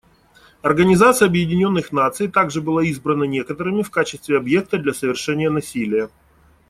Организация Объединенных Наций также была избрана некоторыми в качестве объекта для совершения насилия.